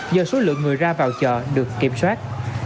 do số lượng người ra vào chợ được kiểm soát